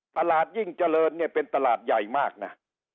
ตลาดยิ่งเจริญเนี่ยเป็นตลาดใหญ่มากนะ